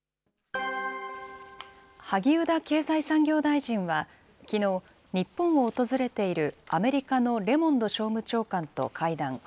萩生田経済産業大臣は、きのう、日本を訪れているアメリカのレモンド商務長官と会談。